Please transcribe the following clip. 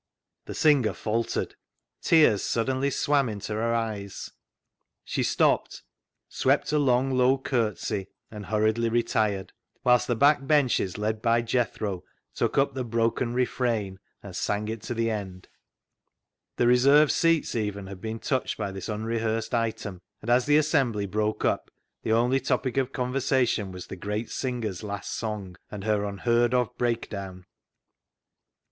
" The singer faltered ; tears suddenly swam into her eyes ; she stopped, swept a long, low curtsey, and hurriedly retired — whilst the back ''THE ZEAL OF THINE HOUSE" 345 benches, led by Jethro, took up the broken refrain and sang it to the end. The reserved seats even had been touched by this unrehearsed item, and as the assembly broke up the only topic of conversation was the great singer's last song, and her unheard of breakdown.